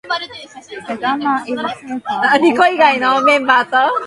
The Gamma and Theta disbanded.